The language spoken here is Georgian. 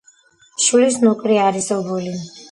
შვლის ნუკრი არის ობოლი